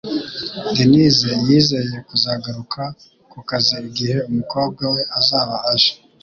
Denise yizeye kuzagaruka ku kazi igihe umukobwa we azaba aje